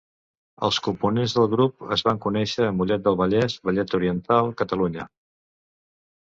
Els components del grup es van conèixer a Mollet del Vallès, Vallès Oriental, Catalunya.